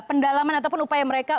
pendalaman ataupun upaya mereka